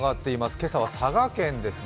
今朝は佐賀県です。